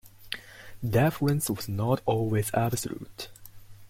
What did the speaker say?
"Deference" was not always absolute.